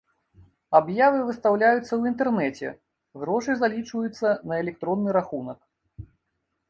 Аб'явы выстаўляюцца ў інтэрнэце, грошы залічваюцца на электронны рахунак.